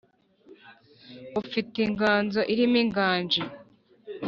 Ufite inganzo irimo inganji